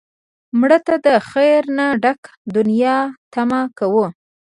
مړه ته د خیر نه ډکه دنیا تمه کوو